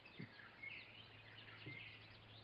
杜瑙保陶伊。